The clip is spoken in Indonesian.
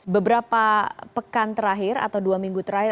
beberapa pekan terakhir atau dua minggu terakhir